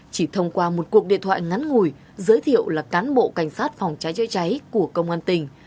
chỉ thông qua một cuộc điện thoại ngắn ngùi giới thiệu là cán bộ cảnh sát phòng trái chết cháy của công an tình